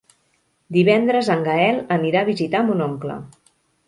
Divendres en Gaël anirà a visitar mon oncle.